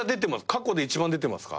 過去で一番出てますか？